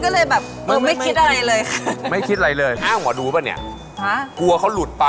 เขาไม่ได้ให้หนูเลือกอะไรเลยค่ะ